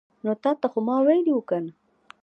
نو تاته خو ما ویلې وو کنه